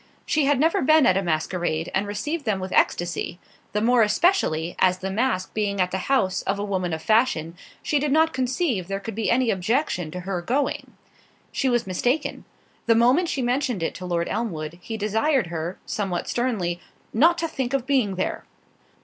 She had never been at a masquerade, and received them with ecstasy—the more especially, as the masque being at the house of a woman of fashion, she did not conceive there could be any objection to her going. She was mistaken—the moment she mentioned it to Lord Elmwood, he desired her, somewhat sternly, "Not to think of being there."